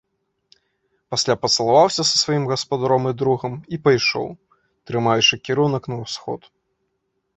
Пасля пацалаваўся са сваім гаспадаром і другам і пайшоў, трымаючы кірунак на ўсход.